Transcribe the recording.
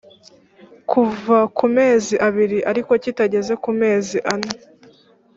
kuva ku mezi abiri ariko kitageze ku mezi ane